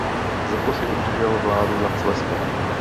Za to si udržel vládu nad Slezskem.